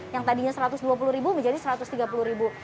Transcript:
yang tadinya satu ratus dua puluh ribu menjadi satu ratus tiga puluh ribu